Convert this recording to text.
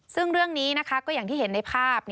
ซึ่งเรื่องนี้นะคะก็อย่างที่เห็นในภาพ